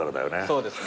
そうですね。